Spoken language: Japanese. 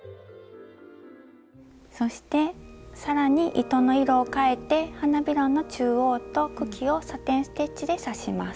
そして更に糸の色をかえて花びらの中央と茎をサテン・ステッチで刺します。